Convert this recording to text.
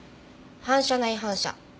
反射内反射。